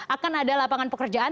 akan ada lapangan pekerjaan